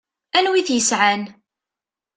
Anwa i t-yesƐan?